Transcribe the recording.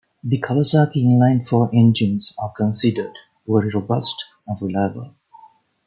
The Kawasaki inline-four engines are considered very robust and reliable.